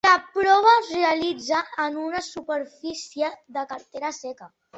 La prova es realitza en una superfície de carretera seca.